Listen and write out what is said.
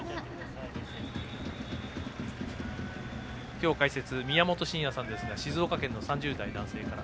今日、解説、宮本慎也さんですが静岡県の３０代男性から。